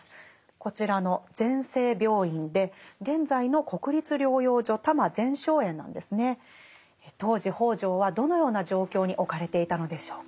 こちらの当時北條はどのような状況に置かれていたのでしょうか。